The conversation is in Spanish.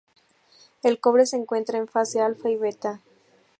El cobre se encuentra en fase alfa y beta.